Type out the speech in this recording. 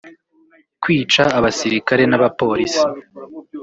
kwica abasirikare n’abapolisi